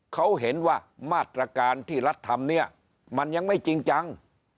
เขาเห็นว่ามาตรการที่รัฐทำเนี่ยมันยังไม่จริงจัง